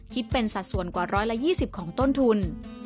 คิดเป็นสัดส่วนกว่า๑๒๐ของต้นทุน